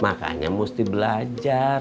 makanya mesti belajar